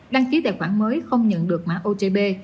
đăng ký tài khoản mới không nhận được mã otb